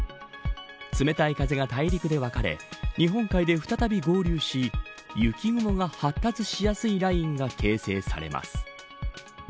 冷たい風が大陸で分かれ日本海で再び合流し雪雲が発達しやすいラインが形成されます。